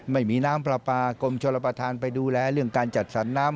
ไม่มีน้ำปลาปลากรมชนประธานไปดูแลเรื่องการจัดสรรน้ำ